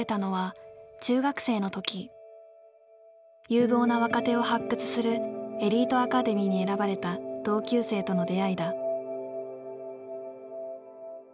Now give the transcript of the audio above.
有望な若手を発掘するエリートアカデミーに選ばれた同級生との出会いだ。